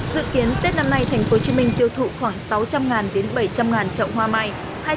dự kiến tết năm nay thành phố hồ chí minh tiêu thụ khoảng sáu trăm linh bảy trăm linh trậu hoa mai